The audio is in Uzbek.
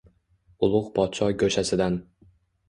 Ulug’ podsho go’shasidan